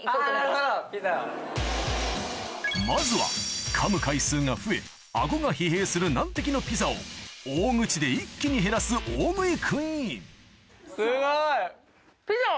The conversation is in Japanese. まずはかむ回数が増え顎が疲弊する難敵のピザを大口で一気に減らす大食いクイーン